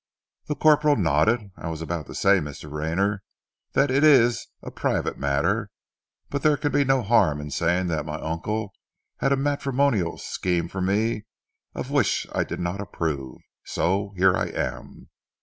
The corporal nodded. "I was about to say, Mr. Rayner, that it is a private matter; but there can be no harm in saying that my uncle had a matrimonial scheme for me of which I did not approve, so here I am."